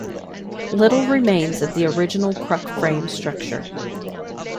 Little remains of the original cruck frame structure.